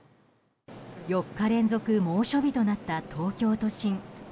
４日連続猛暑日となった東京都心。